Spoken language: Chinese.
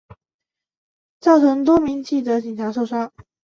造成多名记者警察受伤